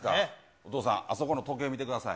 お父さん、あそこの時計見てください。